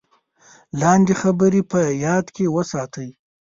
لاندې خبرې په یاد کې وساتئ: